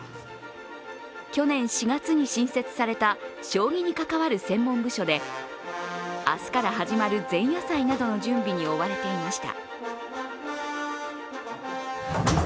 去年４月に新設された将棋に関わる専門部署で明日から始まる前夜祭などの準備に追われていました。